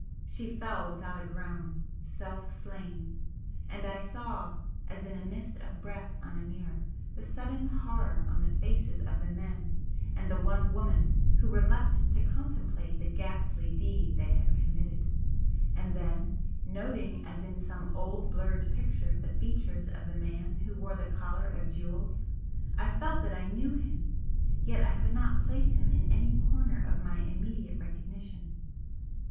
She fell without a groan, self slain, and I saw, as in a mist of breath on a mirror, the sudden horror on the faces of the men and the one woman who were left to contemplate the ghastly deed they had committed. And then noting as in some old blurred picture the features of the man who wore the collar of jewels, I felt that I knew him yet I could not place him in any corner of my immediate recognition.